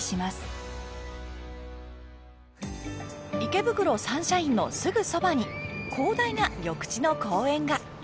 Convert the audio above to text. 池袋サンシャインのすぐそばに広大な緑地の公園が。